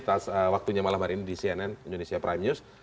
terima kasih pak mas waktunya malam hari ini di cnn indonesia prime news